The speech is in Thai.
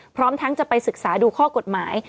พร้อมทั้งจะไปศึกษาดูข้อกฎหมาย